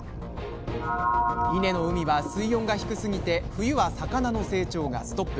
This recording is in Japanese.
伊根の海は水温が低すぎて冬は魚の成長がストップ。